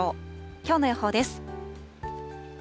きょうの予報です。